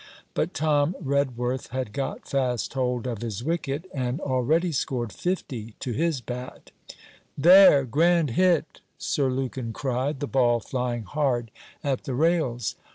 But Tom Redworth had got fast hold of his wicket, and already scored fifty to his bat. 'There! grand hit!' Sir Lukin cried, the ball flying hard at the rails.